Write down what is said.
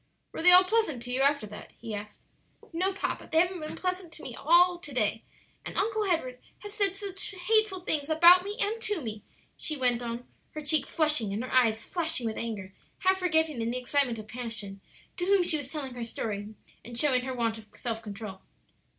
"Were they all pleasant to you after that?" he asked. "No, papa; they haven't been pleasant to me at all to day; and Uncle Edward has said hateful things about me, and to me," she went on, her cheek flushing and her eyes flashing with anger, half forgetting, in the excitement of passion, to whom she was telling her story, and showing her want of self control.